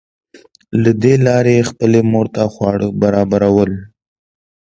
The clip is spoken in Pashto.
له دې لارې یې خپلې مور ته خواړه برابرول